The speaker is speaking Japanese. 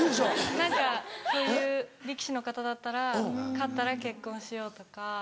何かそういう力士の方だったら勝ったら結婚しようとか。